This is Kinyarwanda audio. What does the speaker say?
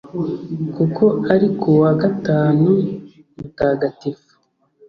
kuko ari ku wa gatanu mutagatifu!"